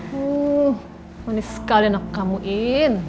wuh manis sekali anak kamu in